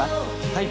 はい。